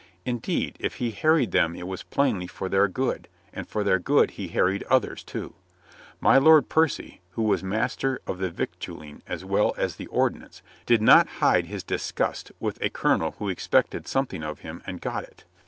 Indeed, if he harried them it was plainly for their good, and for their good he harried others, too. My Lord Percy, who was master of the victualling as well as the ordnance, did not hide his disgust with a colonel who expected something of him and got it.